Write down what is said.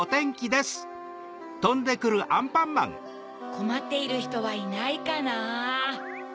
こまっているひとはいないかなぁ？